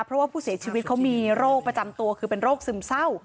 เพราะว่าผู้เสียชีวิตเขามีโรคประจำตัวคือเป็นโรคซึมเศร้า